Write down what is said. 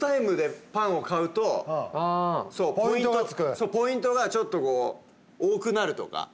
そうポイントがちょっとこう多くなるとか。